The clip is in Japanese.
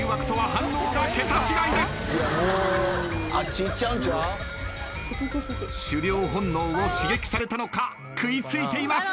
狩猟本能を刺激されたのか食い付いています。